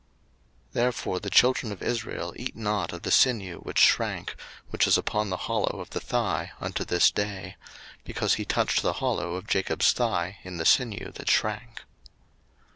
01:032:032 Therefore the children of Israel eat not of the sinew which shrank, which is upon the hollow of the thigh, unto this day: because he touched the hollow of Jacob's thigh in the sinew that shrank.